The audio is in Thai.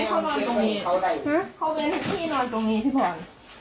เขาเป็นที่นอนตรงนี้พี่พร